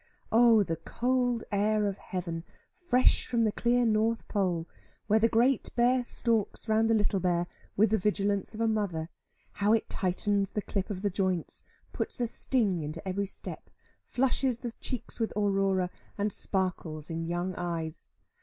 Oh the cold air of heaven, fresh from the clear North Pole, where the Great Bear stalks round the Little Bear with the vigilance of a mother, how it tightens the clip of the joints, puts a sting into every step, flushes the cheeks with Aurora, and sparkles in young eyes!